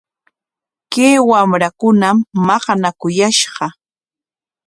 Kay wamrakunam maqanakuyashqa.